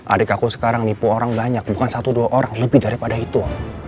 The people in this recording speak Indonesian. adik aku sekarang nipu orang banyak bukan satu dua orang lebih daripada itu